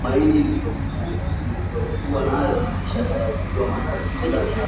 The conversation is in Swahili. Watu wa na tenda wa na cheza ngoma